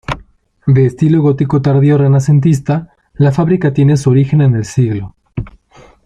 De estilo gótico tardío renacentista, la fábrica tiene su origen en el siglo.